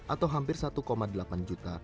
atau hampir satu delapan juta